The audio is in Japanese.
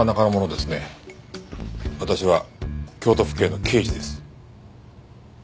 私は京都府警の刑事です。